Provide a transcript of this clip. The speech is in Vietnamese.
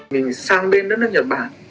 mình sang bên nước nước nhật bản